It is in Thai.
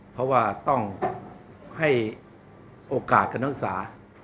เพราะว่าต้องให้โอกาสกับนักศึกษา